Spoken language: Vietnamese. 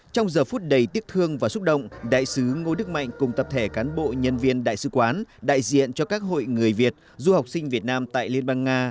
trong giờ phút đầy tiếc thương và xúc động đại sứ ngô đức mạnh cùng tập thể cán bộ nhân viên đại sứ quán đại diện cho các hội người việt du học sinh việt nam tại liên bang nga